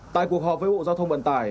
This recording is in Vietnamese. tại cuộc họp với bộ giao thông vận tải